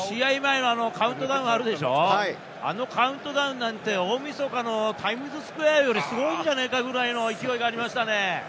試合前のカウントダウンあるでしょう、あのカウントダウンなんて、大みそかのタイムズスクエアよりすごいんじゃないかぐらいの勢いがありましたね。